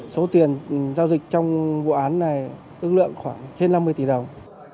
số tiền giao dịch trong vụ án này ước lượng khoảng trên năm mươi tỷ đồng